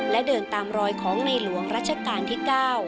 และเดินตามรอยของในหลวงรัชกาลที่๙